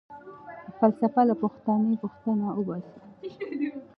فلسفه له پوښتنې٬ پوښتنه وباسي.